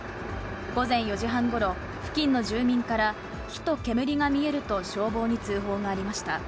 午前４時半ごろ、付近の住民から、火と煙が見えると、消防に通報がありました。